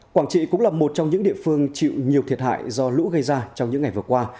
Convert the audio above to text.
quảng trị cũng là một trong những địa phương chịu nhiều thiệt hại do lũ gây ra trong những ngày vừa qua